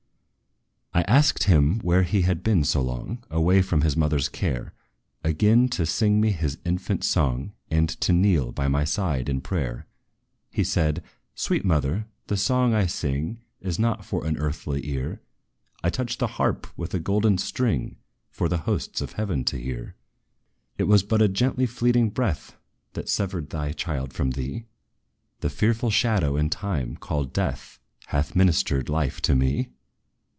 I asked him where he had been so long Away from his mother's care Again to sing me his infant song, And to kneel by my side in prayer. He said, "Sweet mother, the song I sing Is not for an earthly ear: I touch the harp with a golden string, For the hosts of heaven to hear. "It was but a gently fleeting breath, That severed thy child from thee! The fearful shadow, in time, called Death, Hath ministered life to me.